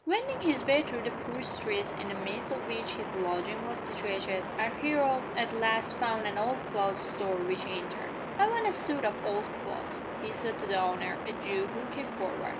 Wending his way through the poor streets in the midst of which his lodging was situated, our hero at last found an old clothes store, which he entered. "I want a suit of old clothes," he said to the owner, a Jew, who came forward.